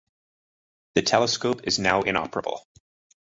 The telescope is now inoperable.